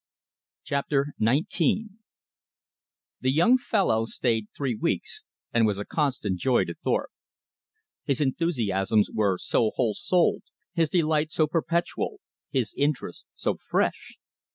Chapter XIX The young fellow stayed three weeks, and was a constant joy to Thorpe. His enthusiasms were so whole souled; his delight so perpetual; his interest so fresh!